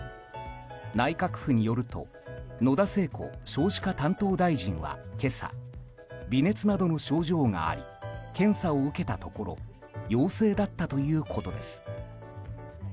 内閣府によると野田聖子少子化担当大臣は今朝、微熱などの症状があり検査を受けたところ陽性だったということです。